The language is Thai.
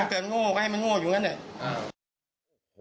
จะใกล้โง่ต่อเป็นโง่อยู่นั้นเนี่ย